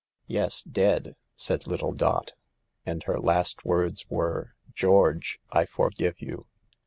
" Yes, dead," said little Dot ;" and her last words were 4 George, I forgive you.'